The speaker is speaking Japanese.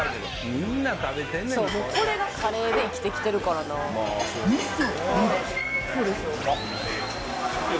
みんな食べてんねんこれがカレーで生きてきてるからウッソ！